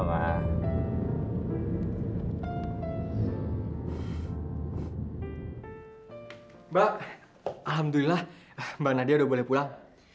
mbak alhamdulillah mbak nadia udah boleh pulang